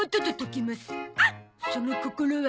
その心は。